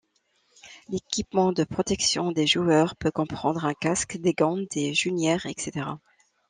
L'équipement de protection des joueurs peut comprendre un casque, des gants, des genouillères, etc.